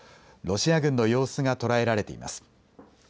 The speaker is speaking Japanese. ロシア軍の様子が捉えられています。